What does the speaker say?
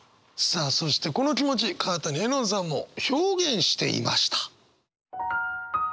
さあそしてこの気持ち川谷絵音さんも表現していました。